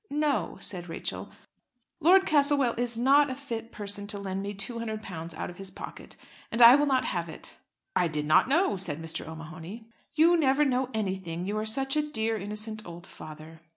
"No," said Rachel. "Lord Castlewell is not a fit person to lend me £200 out of his pocket, and I will not have it." "I did not know," said Mr. O'Mahony. "You never know anything, you are such a dear, innocent old father."